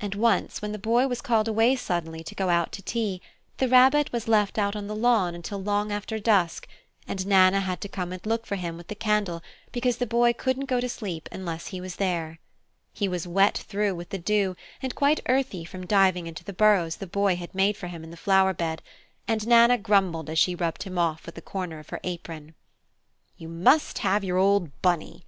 And once, when the Boy was called away suddenly to go out to tea, the Rabbit was left out on the lawn until long after dusk, and Nana had to come and look for him with the candle because the Boy couldn't go to sleep unless he was there. He was wet through with the dew and quite earthy from diving into the burrows the Boy had made for him in the flower bed, and Nana grumbled as she rubbed him off with a corner of her apron. Spring Time "You must have your old Bunny!"